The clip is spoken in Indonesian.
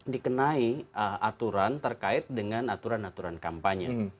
dikenai aturan terkait dengan aturan aturan kampanye